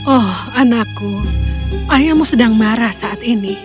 oh anakku ayahmu sedang marah saat ini